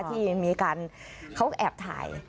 ที่มีการเขาแอบถ่าย